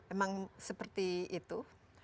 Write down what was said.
emang seperti itu